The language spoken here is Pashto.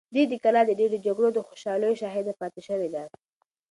دا کلا د ډېرو جګړو او خوشحالیو شاهده پاتې شوې ده.